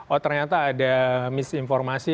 oh ternyata ada misinformasi